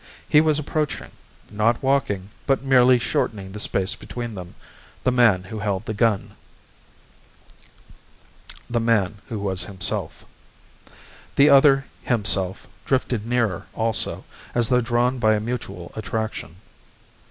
He was approaching not walking, but merely shortening the space between them the man who held the gun. The man who was himself. The other "himself" drifted nearer also, as though drawn by a mutual attraction.